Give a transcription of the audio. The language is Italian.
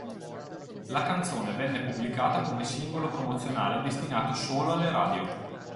La canzone venne pubblicata come singolo promozionale destinato solo alle radio.